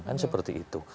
kan seperti itu